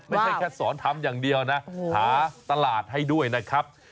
ไม่ใช่แค่สอนทำอย่างเดียวนะหาตลาดให้ด้วยนะครับ